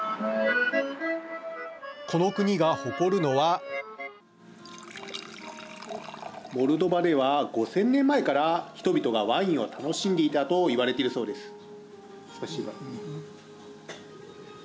この国が誇るのはモルドバでは５０００年前から人々がワインを楽しんでいたと言われているそうです。